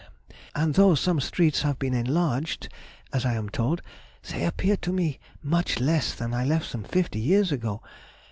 And though some streets have been enlarged (as I am told), they appear to me much less than I left them fifty years ago.